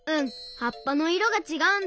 はっぱのいろがちがうんだ。